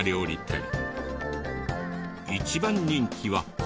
一番人気は。